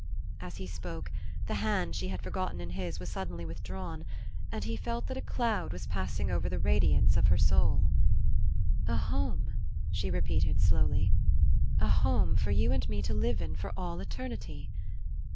As he spoke, the hand she had forgotten in his was suddenly withdrawn, and he felt that a cloud was passing over the radiance of her soul. "A home," she repeated, slowly, "a home for you and me to live in for all eternity?"